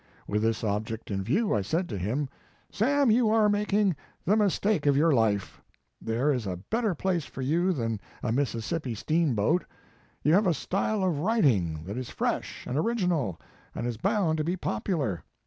With this object in view I said to him: ( Sam, you are making the mistake of your life. There is a better place for you than a Mississippi steamboat. You have a style of writing that is fresh and original and is bound to be popular.